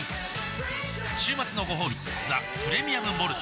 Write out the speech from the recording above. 週末のごほうび「ザ・プレミアム・モルツ」